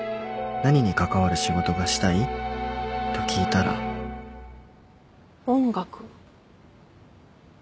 何に関わる仕事がしたい？と聞いたら音楽。